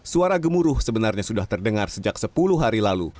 suara gemuruh sebenarnya sudah terdengar sejak sepuluh hari lalu